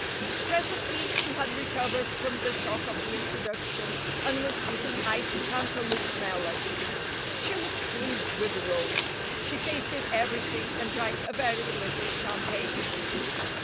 Presently she had recovered from the shock of the introduction, and was eating iced Cantaloup melon. She looked pleased with the world. She tasted everything, and drank a very little champagne.